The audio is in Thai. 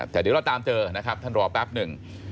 แต่เดี๋ยวเราตามเจอนะครับท่านรอแป๊บหนึ่ง